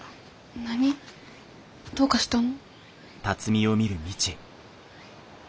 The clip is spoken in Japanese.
何どうかしたの？